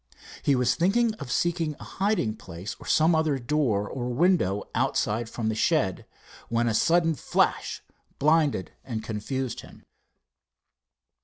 He was thinking of seeking a hiding place, or some other door or window outlet from the shed, when a sudden flash blinded and confused him.